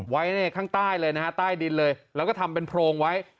ไว้ข้างใต้เลยนะฮะใต้ดินเลยแล้วก็ทำเป็นโพรงไว้